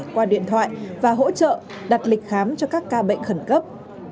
qua điện thoại và hỗ trợ đặt lịch khám cho các ca bệnh khẩn cấp